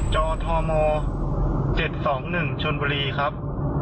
จอทอมอล๗๒๑ชวนบุรีครับ